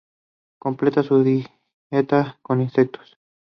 Completa su dieta con insectos.